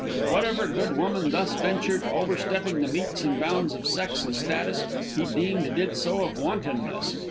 Whatever good woman thus ventured, overstepping the metes and bounds of sex and status, he deemed did so of wantonness.